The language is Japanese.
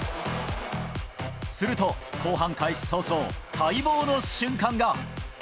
すると後半開始早々、待望の瞬間が。